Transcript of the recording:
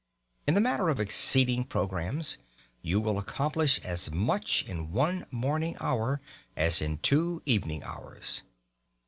In the matter of exceeding programmes, you will accomplish as much in one morning hour as in two evening hours.